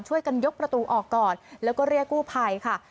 ยกประตูออกก่อนแล้วก็เรียกกู้ภัยค่ะ